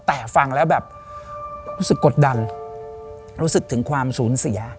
แต่ฟังแล้วแบบรู้สึกกดดันรู้สึกถึงความสูญเสีย